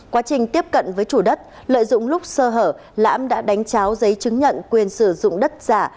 quá trình tiếp cận với chủ đất lợi dụng lúc sơ hở lãm đã đánh cháo giấy chứng nhận quyền sử dụng đất giả